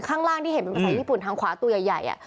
ข้างล่างที่เห็นเป็นภาษาญี่ปุ่นทางขวาตัวใหญ่